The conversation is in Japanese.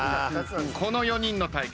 この４人の対決